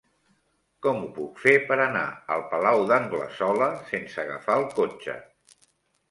Com ho puc fer per anar al Palau d'Anglesola sense agafar el cotxe?